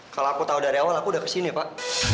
kalau aku tahu dari awal aku sudah ke sini pak